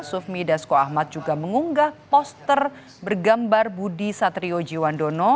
sufmi dasko ahmad juga mengunggah poster bergambar budi satriojiwandono